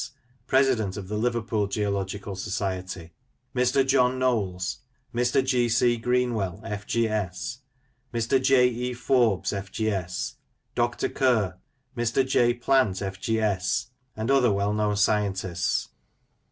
President of the Liverpool Geological Society; Mr. John Knowles; Mr. G. C. Greenwell, F.G.S. ; Mr. J. E. Forbes, F.G.S. ; Dr. Kerr; Mr. J. Plant, F.G.S. ; and other well known scientists.